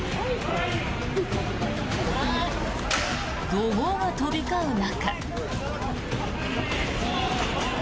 怒号が飛び交う中。